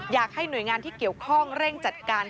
อยากให้หน่วยงานที่เกี่ยวข้องเร่งจัดการ